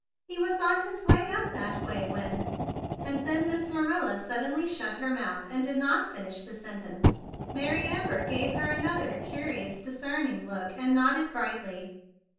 "He was on his way up that way when—" and then Miss Marilla suddenly shut her 118 THE BIG BLUE SOLDIER mouth, and did not finish the sentence. Mary Amber gave her another curious, discerning look, and nodded brightly.